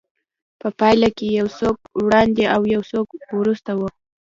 په پايله کې يو څوک وړاندې او يو څوک وروسته وي.